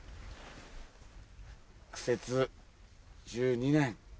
苦節１２年。